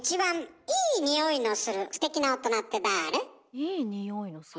いい匂いのする。